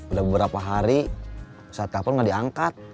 udah beberapa hari saat kapal gak diangkat